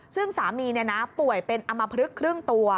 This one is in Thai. ซึ่งสามีป่วยเป็นอำมพลึกครึ่งตัว